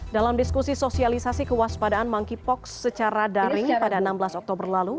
dalam diskusi sosialisasi kewaspadaan monkeypox secara daring pada enam belas oktober lalu